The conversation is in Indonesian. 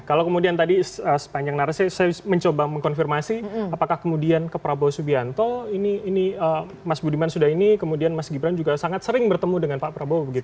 kalau kemudian tadi sepanjang narasi saya mencoba mengkonfirmasi apakah kemudian ke prabowo subianto ini mas budiman sudah ini kemudian mas gibran juga sangat sering bertemu dengan pak prabowo